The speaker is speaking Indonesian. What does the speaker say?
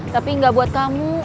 tapi gak buat kamu